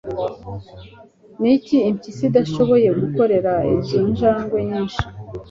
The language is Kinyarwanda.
Niki impyisi idashoboye gukorera izo njangwe nyinshi?